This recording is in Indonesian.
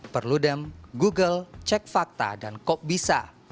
perludem google cek fakta dan kok bisa